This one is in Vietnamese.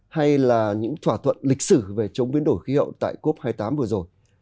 hay là những thỏa thuận lịch sử về chống biến đổi khí hậu tại cop hai mươi tám vừa rồi